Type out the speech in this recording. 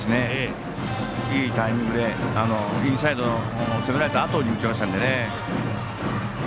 いいタイミングでインサイドの、そのあとに打ちましたんでね。